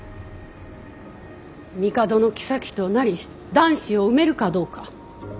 帝の后となり男子を産めるかどうか。